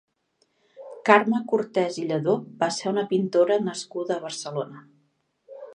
Carme Cortès i Lladó va ser una pintora nascuda a Barcelona.